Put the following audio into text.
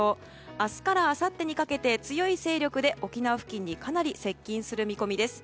明日からあさってにかけて強い勢力で沖縄付近にかなり接近する見込みです。